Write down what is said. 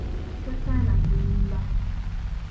Tosaana kulimba.